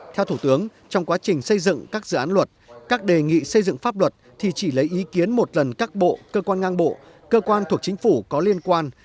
theo thủ tướng trong quá trình xây dựng các dự án luật các đề nghị xây dựng pháp luật thì chỉ lấy ý kiến một lần các bộ cơ quan ngang bộ cơ quan thuộc chính phủ có liên quan